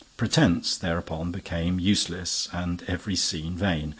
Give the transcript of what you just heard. Pretense thereupon became useless and every scheme vain.